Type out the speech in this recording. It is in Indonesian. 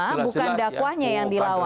bukan dakwahnya yang dilawan